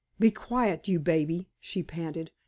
"Be quiet, you baby!" she panted.